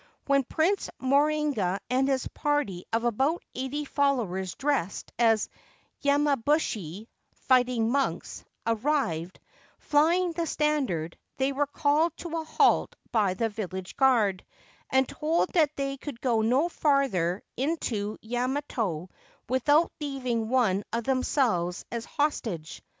When Prince Morinaga and his party of about eighty followers dressed as yamabushi (fighting monks) arrived, flying the standard, they were called to a halt by the village guard, and told that they could go no farther into Yamato without leaving one of themselves as hostage.